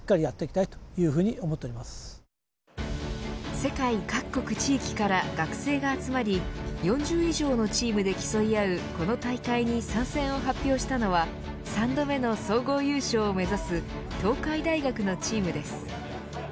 世界各国地域から学生が集まり４０以上のチームで競い合うこの大会に参戦を発表したのは３度目の総合優勝を目指す東海大学のチームです。